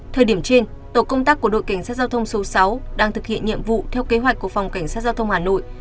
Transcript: thời điểm trên tổ công tác của đội cảnh sát giao thông số sáu đang thực hiện nhiệm vụ theo kế hoạch của phòng cảnh sát giao thông hà nội